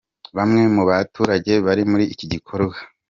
Bamwe mu baturage bari muri iki gikorwa.